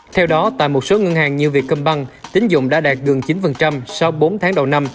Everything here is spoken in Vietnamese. theo đó tại một số ngân hàng như việt công băng tín dụng đã đạt gần chín sau bốn tháng đầu năm